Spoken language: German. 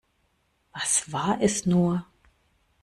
Was war es nur?